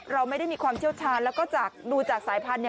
เราไม่ได้มีความเชี่ยวชาญแล้วก็จากดูจากสายพันธุเนี่ย